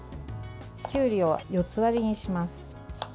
きゅうりを四つ割りにします。